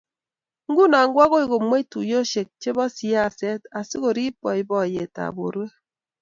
nguno koagoi kemweei tuiyoshek chebo siaset asikeriip boiboiyetab borwek.